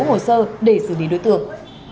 hồ sơ để xử lý đối tượng